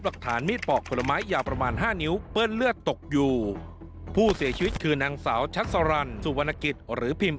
หลักฐานมีดปอกผลไม้ยาวประมาณห้านิ้วเปื้อนเลือดตกอยู่ผู้เสียชีวิตคือนางสาวชักสรรสุวรรณกิจหรือพิม